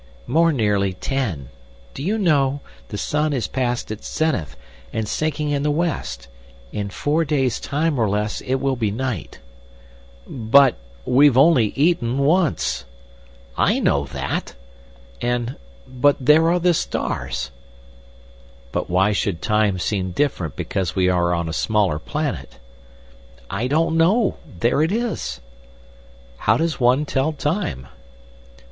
"More nearly ten. Do you know, the sun is past its zenith, and sinking in the west. In four days' time or less it will be night." "But—we've only eaten once!" "I know that. And— But there are the stars!" "But why should time seem different because we are on a smaller planet?" "I don't know. There it is!" "How does one tell time?"